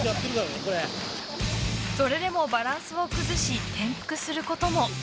それでも、バランスを崩し転覆することも。